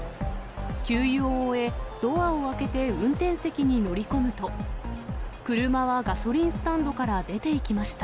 給油を終え、ドアを開けて、運転席に乗り込むと、車はガソリンスタンドから出ていきました。